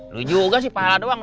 lu juga sih pak hala doang